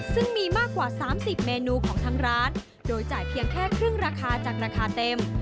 ซึ่งมีมากกว่า๓๐เมนูของทางร้านโดยจ่ายเพียงแค่ครึ่งราคาจากราคาเต็ม